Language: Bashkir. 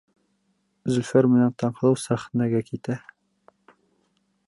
Зөлфәр менән Таңһылыу сәхнәгә китә.